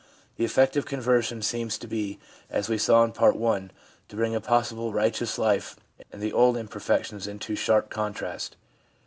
The effect of conversion seems to be, as we saw in Part I., to bring a possible righteous life and the old imperfections into sharp contrast.